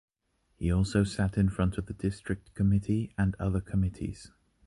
He also sat in front of the district committee and other committees.